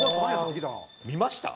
見ました？